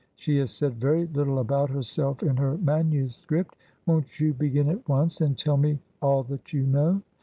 She has said very little about herself in her manuscript. Won't you begin at once, and tell me all that you know?"